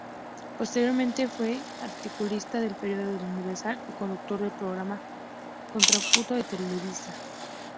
Posteriormente fue articulista del periódico El Universal y conductor del programa Contrapunto de Televisa.